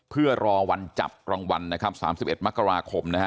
เพื่อรอวันจับรางวัล๓๑มกราคม